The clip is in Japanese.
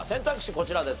こちらです。